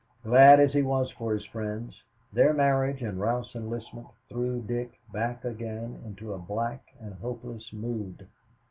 Glad as he was for his friends, their marriage and Ralph's enlistment threw Dick back again into a black and hopeless mood.